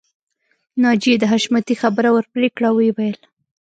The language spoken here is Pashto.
ناجیې د حشمتي خبره ورپرې کړه او ويې ويل